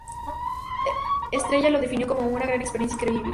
Estrella lo definió como ""una experiencia increíble"".